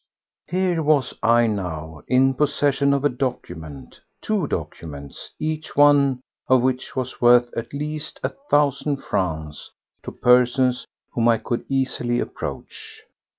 Here was I now in possession of a document—two documents—each one of which was worth at least a thousand francs to persons whom I could easily approach.